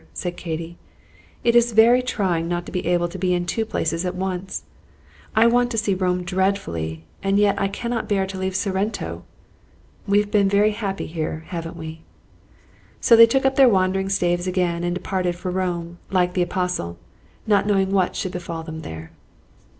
said Katy, "it is very trying not to be able to be in two places at once. I want to see Rome dreadfully, and yet I cannot bear to leave Sorrento. We have been very happy here, haven't we?" So they took up their wandering staves again, and departed for Rome, like the Apostle, "not knowing what should befall them there."